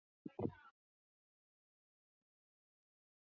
王子雀鲷为辐鳍鱼纲鲈形目隆头鱼亚目雀鲷科雀鲷属的鱼类。